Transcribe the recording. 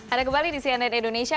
ada kembali di cnn indonesia